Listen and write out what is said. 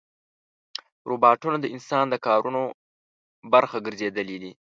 روباټونه د انسان د کارونو برخه ګرځېدلي دي.